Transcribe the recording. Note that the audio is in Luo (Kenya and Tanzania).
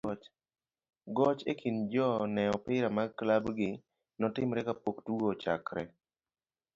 goch e kind jo ne opira mag klab gi notimre kapokne tugo ochakre,